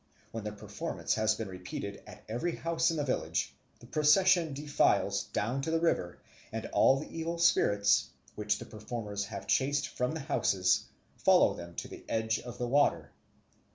When the performance has been repeated at every house in the village, the procession defiles down to the river, and all the evil spirits, which the performers have chased from the houses, follow them to the edge of the water.